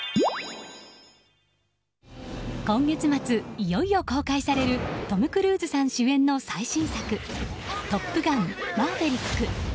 今月末、いよいよ公開されるトム・クルーズさん主演の最新作「トップガンマーヴェリック」。